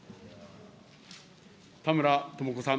田村智子さん。